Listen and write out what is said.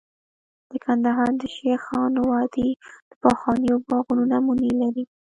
د کندهار د شیخانو وادي د پخوانیو باغونو نمونې لري